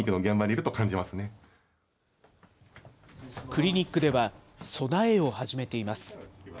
クリニックでは、備えを始めています。